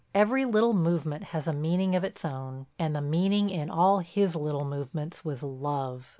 Every little movement has a meaning of its own—and the meaning in all his little movements was love.